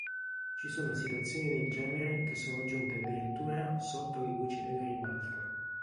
Ci sono situazioni del genere che sono giunte addirittura sotto le luci della ribalta.